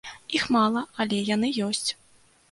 Іх мала, але яны ёсць.